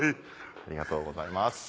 ありがとうございます。